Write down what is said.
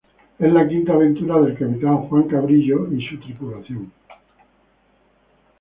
Es la quinta aventura del capitán Juan Cabrillo y su tripulación.